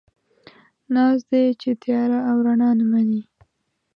ناز دی، چې تياره او رڼا نه مني